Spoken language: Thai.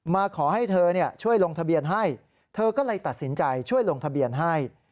มาขอให้เธอช่วยลงทะเบียนให้เธอก็เลยตัดสินใจช่วยลงทะเบียนให้